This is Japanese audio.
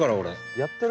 やってる？